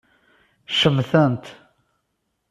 Cemtent.